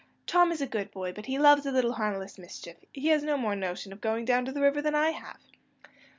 Tom is a good boy, but he loves a little harmless mischief; he has no more notion of going down to the river than I have."